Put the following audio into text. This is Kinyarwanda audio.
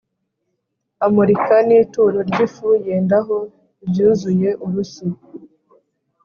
Amurika n ituro ry ifu yendaho ibyuzuye urushyi